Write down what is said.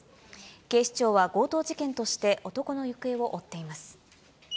警視庁は強盗事件として、男の行方を追っています。